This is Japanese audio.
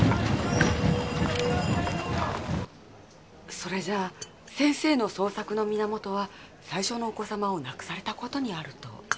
それじゃあ先生の創作の源は最初のお子様を亡くされたことにあると？